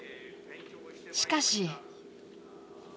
しかし。